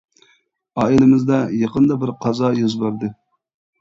ئائىلىمىزدە، يېقىندا بىر قازا يۈز بەردى.